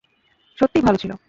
সত্যিই ভালো ছিলো।